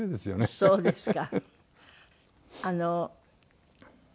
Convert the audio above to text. そうですね。